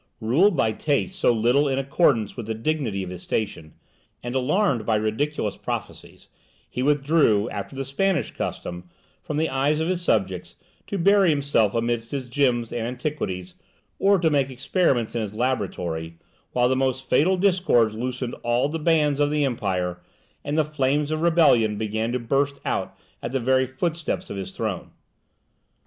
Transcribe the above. Ruled by tastes so little in accordance with the dignity of his station, and alarmed by ridiculous prophecies, he withdrew, after the Spanish custom, from the eyes of his subjects, to bury himself amidst his gems and antiques, or to make experiments in his laboratory, while the most fatal discords loosened all the bands of the empire, and the flames of rebellion began to burst out at the very footsteps of his throne.